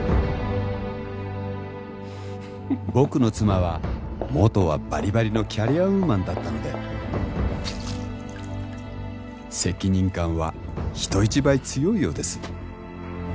僕の妻は元はバリバリのキャリアウーマンだったので責任感は人一倍強いようです